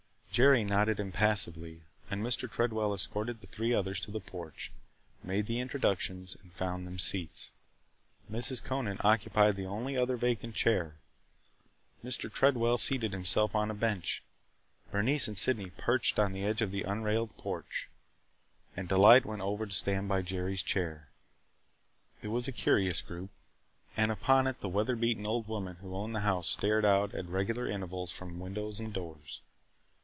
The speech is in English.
Jerry nodded impassively, and Mr. Tredwell escorted the three others to the porch, made the introductions, and found them seats. Mrs. Conant occupied the only other vacant chair, Mr. Tredwell seated himself on a bench, Bernice and Sydney perched on the edge of the unrailed porch, and Delight went over to stand by Jerry's chair. It was a curious group. And upon it the weather beaten old woman who owned the house stared out at regular intervals from windows and doors.